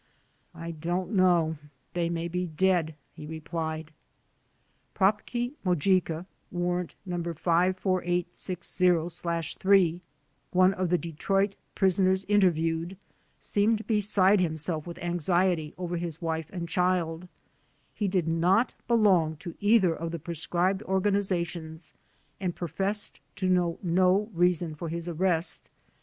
"I don't know, they may be dead," he replied. Prokpey Mojeika (Warrant No. 54860/3), one of the Detroit prisoners interviewed, seemed beside himself with anxiety over his wife and child. He did not belong to either of the proscribed organizations and professed to know no reason for his arrest.